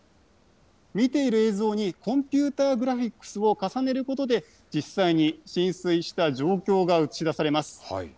見ている映像にコンピューターグラフィックスを重ねることで、実際に浸水した状況が映し出されます。